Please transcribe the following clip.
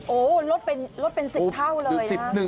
โอ้โหลดเป็น๑๐เท่าเลยนะ